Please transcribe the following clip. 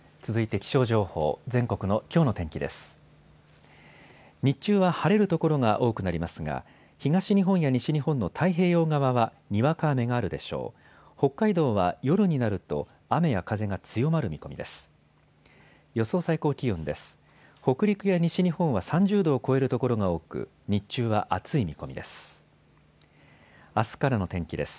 北海道は夜になると雨や風が強まる見込みです。